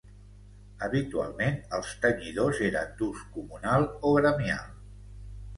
Habitualment, els tenyidors eren d'ús comunal o gremial.